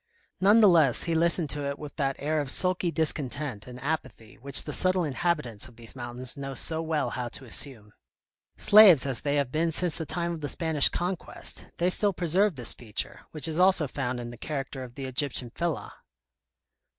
None the less, he listened to it with that air of sulky discontent and apathy which the subtle in habitants of these mountains know so well how to assume. Slaves as they have been since the time of the Spanish Conquest, they still preserve this feature, which is also found in the character of the Egyptian fellah.